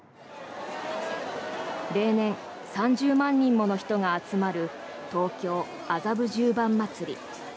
例年、３０万人もの人が集まる東京・麻布十番祭り。